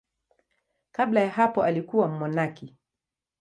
Kabla ya hapo alikuwa mmonaki.